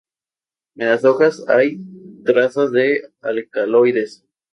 En las hojas hay trazas de alcaloides.